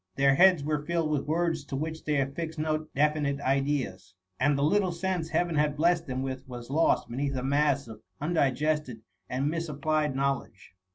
Their heads were filled with words to which they affixed no definite ideas, and the little sense Heaven had blessed them with was lost beneath a mass of undigested and misapplied knowledge.